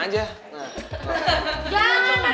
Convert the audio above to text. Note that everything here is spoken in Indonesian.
jan jangan berdiri